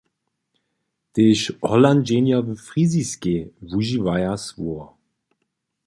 Tež Hollandźenjo w Friziskej wužiwaja słowo.